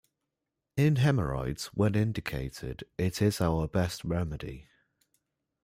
In hemorrhoids, when indicated, it is our best remedy.